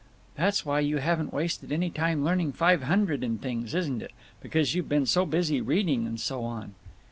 "That's why you haven't wasted any time learning Five Hundred and things, isn't it? Because you've been so busy reading and so on?"